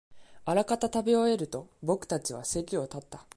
あらかた食べ終えると、僕たちは席を立った